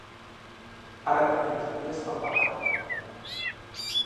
Ara té quinze dies per pagar-la.